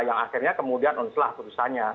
yang akhirnya kemudian unslah putusannya